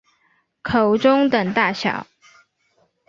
口中等大小。